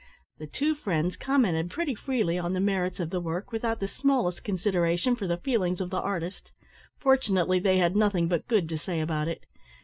The two friends commented pretty freely on the merits of the work, without the smallest consideration for the feelings of the artist. Fortunately they had nothing but good to say about it.